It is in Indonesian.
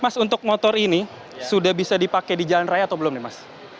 mas untuk motor ini sudah bisa dipakai di jalan raya atau belum nih mas